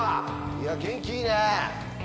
いや元気いいね。